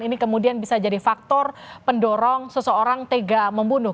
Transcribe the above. ini kemudian bisa jadi faktor pendorong seseorang tega membunuh